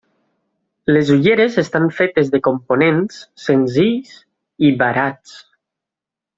Les ulleres estan fetes de components senzills i barats.